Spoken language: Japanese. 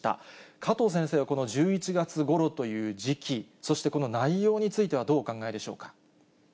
加藤先生はこの１１月ごろという時期、そしてこの内容についてはどうお考えでしょうか。